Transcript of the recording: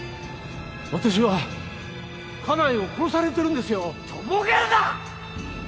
私は家内を殺されてるんですよ。とぼけるな！